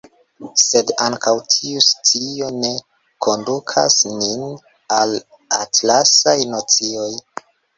Sed ankaŭ tiu scio ne kondukas nin al atlasaj nocioj.